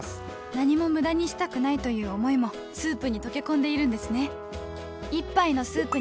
何も無駄にしたくないという想いもスープに溶け込んでいるんですね